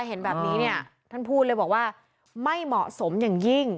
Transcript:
เห็นแบบนี้เนี่ยท่านพูดเลยบอกว่าไม่เหมาะสมอย่างยิ่ง